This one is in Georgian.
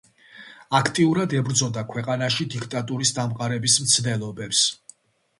აქტიურად ებრძოდა ქვეყანაში დიქტატურის დამყარების მცდელობებს.